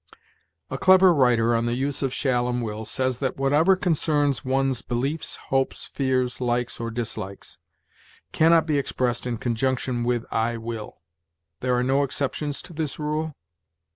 A clever writer on the use of shall and will says that whatever concerns one's beliefs, hopes, fears, likes, or dislikes, can not be expressed in conjunction with I will. Are there no exceptions to this rule?